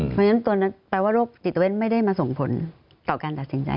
เพราะฉะนั้นตัวนั้นแปลว่าโรคจิตเวทไม่ได้มาส่งผลต่อการตัดสินใจ